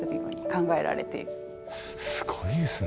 すごいですね。